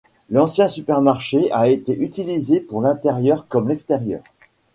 L'ancien supermarché a été utilisé pour l'intérieur comme l'extérieur.